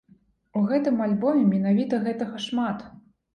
У гэтым альбоме менавіта гэтага шмат.